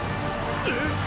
えっ